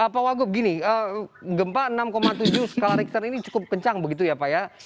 pak wagub gini gempa enam tujuh skala richter ini cukup kencang begitu ya pak ya